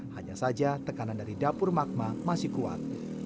hanya saja tekanan dari dapur magma masih kuat